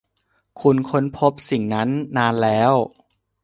คุณค้นพบสิ่งนั้นนานแล้ว